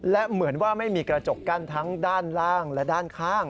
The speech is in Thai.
และเหมือนว่าไม่มีกระจกกั้นทั้งด้านล่างและด้านข้าง